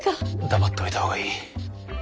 黙っておいた方がいい。